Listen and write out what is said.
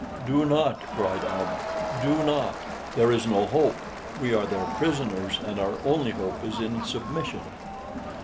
"Do not!" cried Almah "do not! There is no hope. We are their prisoners, and our only hope is in submission."